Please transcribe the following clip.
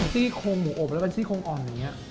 ซี่โครงหมูอบแล้วก็ซี่โครงอ่อนอย่างนี้